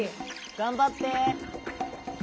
頑張って！